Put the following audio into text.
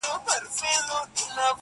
• د آرزو له پېغلو سترګو یوه اوښکه -